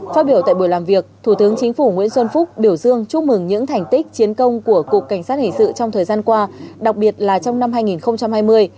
phát biểu tại buổi làm việc thủ tướng chính phủ nguyễn xuân phúc biểu dương chúc mừng những thành tích chiến công của cục cảnh sát hình sự trong thời gian qua đặc biệt là trong năm hai nghìn hai mươi